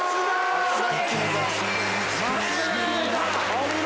お見事！